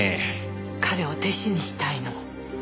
彼を弟子にしたいの。